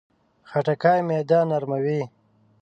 خټکی معده نرموي.